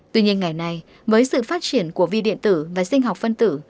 tuy nhiên ngày nay với sự phát triển của vi điện tử và sinh học phân tử